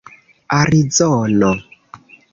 arizono